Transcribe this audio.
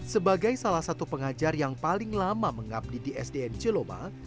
sebagai salah satu pengajar yang paling lama mengabdidi sdn celoma